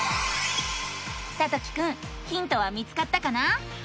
さときくんヒントは見つかったかな？